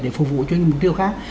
để phục vụ cho những mục tiêu khác